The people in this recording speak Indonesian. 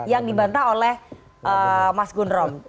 yang dibantah oleh mas gundrom